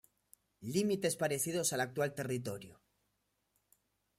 Límites parecidos al actual territorio.